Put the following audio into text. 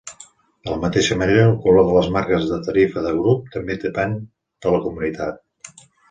De la mateixa manera, el color de les marques de tarifa de grup també depèn de la comunitat.